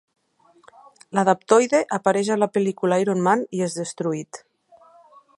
L'Adaptoide apareix a la pel·lícula "Iron Man" i es destruït.